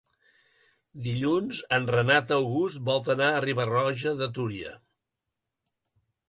Dilluns en Renat August vol anar a Riba-roja de Túria.